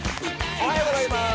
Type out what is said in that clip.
おはようございます。